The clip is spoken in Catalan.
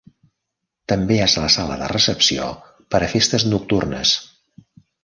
També és la sala de recepció per a festes nocturnes.